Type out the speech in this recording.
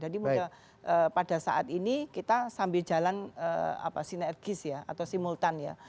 jadi apa yang dikatakan mas ferry itu pada saat ini kita sambil jalan sinergis ya atau simultan ya